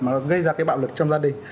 mà gây ra cái bạo lực trong gia đình